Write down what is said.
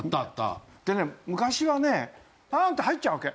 でね昔はねパーンって入っちゃうわけ。